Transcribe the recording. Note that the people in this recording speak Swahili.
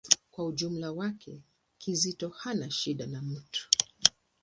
Kwa ujumla wake, Kizito hana shida na mtu.